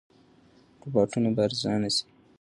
روباټونه به ارزانه شي.